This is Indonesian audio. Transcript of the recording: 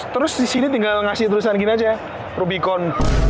terus disini tinggal ngasih tulisan gini aja rubicon